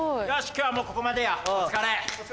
今日はもうここまでやお疲れ。